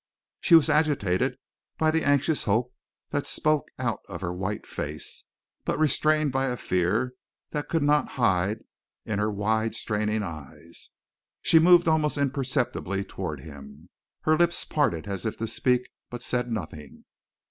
She was agitated by the anxious hope that spoke out of her white face, but restrained by a fear that could not hide in her wide straining eyes. She moved almost imperceptibly toward him, her lips parted as if to speak, but said nothing.